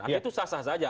artinya itu sah sah saja